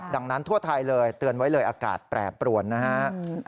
ดังนั้นทั่วไทยเลยเตือนไว้เลยอากาศแปรปรวนนะฮะ